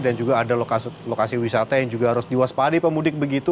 dan juga ada lokasi wisata yang juga harus diwaspadi pemudik begitu